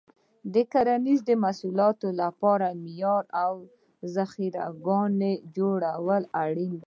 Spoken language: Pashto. د کرنیزو محصولاتو لپاره معیاري ذخیره ګاهونه جوړول اړین دي.